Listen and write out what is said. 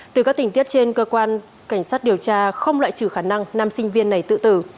từ các tình tiết trên cơ quan cảnh sát điều tra không loại trừ khả năng nam sinh viên này tự tử